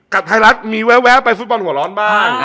กับไทรัศน์มีแว๊วไปฟุตบอลหัวร้อนบ้าง